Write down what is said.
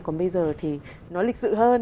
còn bây giờ thì nó lịch sự hơn